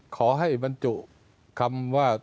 ขอให้บรรจุคำว่า